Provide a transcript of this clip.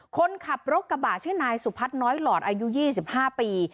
คนขับรถกระบะชื่อนายสุพัฒน์น้อยหลอดอายุ๒๕ปี